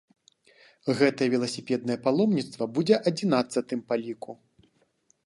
Гэтае веласіпеднае паломніцтва будзе адзінаццатым па ліку.